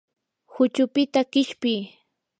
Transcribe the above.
huchupita qishpi.